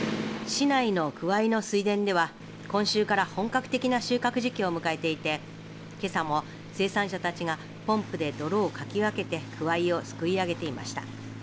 市内のくわいの水田では今週から本格的な収穫時期を迎えていてけさも生産者たちがポンプでどろをかき分けてくわいをすくい上げていました。